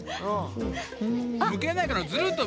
むけないからずるっと。